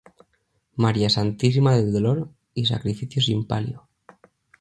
María Santísima del Dolor y Sacrificio sin palio.